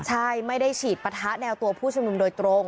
ใช่ไม่ได้ฉีดปะทะแนวตัวผู้ชุมนุมโดยตรง